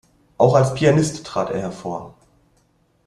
Auch als Pianist trat er hervor.